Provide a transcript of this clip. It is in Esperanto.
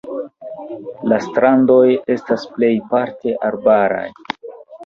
La strandoj estas plejparte arbaraj.